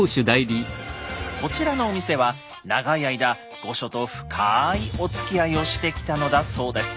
こちらのお店は長い間御所と深いおつきあいをしてきたのだそうです。